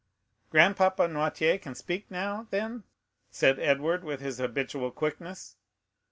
"Grandpapa Noirtier can speak now, then," said Edward, with his habitual quickness.